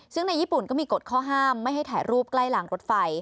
ซึ่งในญี่ปุ่นก็มีกฎข้อห้ามไม่ให้ถ่ายรูปใกล้หลังรถไฟ